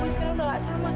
oleh karenade ibu sekalipun